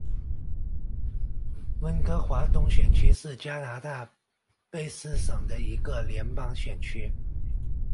温哥华东选区是加拿大卑诗省的一个联邦选区。